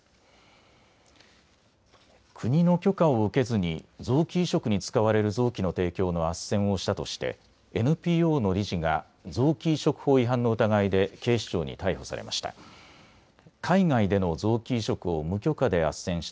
国の許可を受けずに臓器移植に使われる臓器の提供のあっせんをしたとしてＮＰＯの理事が臓器移植法違反の疑いで警視庁に逮捕されました。